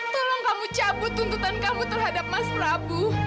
tolong kamu cabut tuntutan kamu terhadap mas prabu